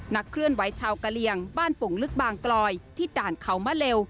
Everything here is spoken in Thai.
เคลื่อนไหวชาวกะเลียงบ้านโป่งลึกบางกลอยที่ด่านเขามะเร็ว